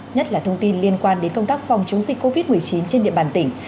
nhất là thông tin liên quan đến công tác phòng chống dịch covid một mươi chín trên địa bàn tỉnh